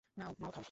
নাও মাল খাও।